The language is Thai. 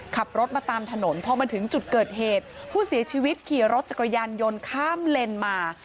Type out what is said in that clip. ขับรถมาตามถนนพอมาถึงจุดเกิดเหตุผู้เสียชีวิตขี่รถจักรยานยนต์ข้ามเลนมา